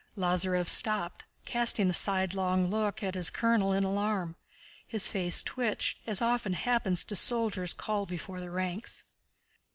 Lázarev stopped, casting a sidelong look at his colonel in alarm. His face twitched, as often happens to soldiers called before the ranks.